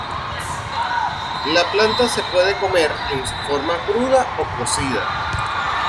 La planta se puede comer en su forma cruda o cocida.